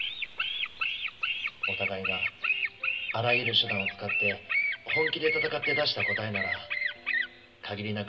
お互いがあらゆる手段を使って本気で戦って出した答えなら限りなく